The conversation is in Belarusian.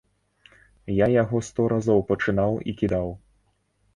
Я яго сто разоў пачынаў і кідаў.